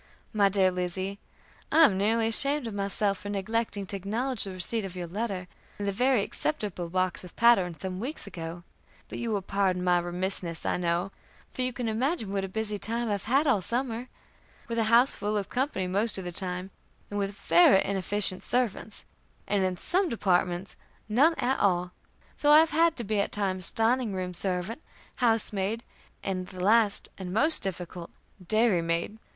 "MY DEAR LIZZIE: I am nearly ashamed of myself for neglecting to acknowledge the receipt of your letter, and the very acceptable box of patterns, some weeks ago; but you will pardon my remissness, I know, for you can imagine what a busy time I've had all summer, with a house full of company most of the time, and with very inefficient servants, and in some departments none at all; so I have had to be at times dining room servant, house maid, and the last and most difficult, dairy maid.